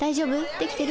できてる？